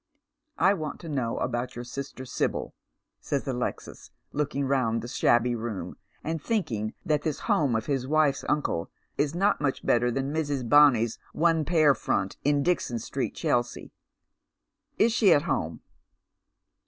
" I want to know all about your sister Sibyl," says Alexis, looking round the shabby room, and thinking that this home of his wife's uncle's is not much better than Mrs. Bonny's one pair fi ont in Dixon Street, Chelsea. " Is she at home